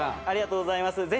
ありがとうございます